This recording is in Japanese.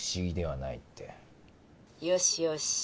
「よしよし」。